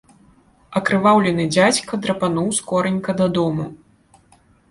Акрываўлены дзядзька драпануў скоранька дадому.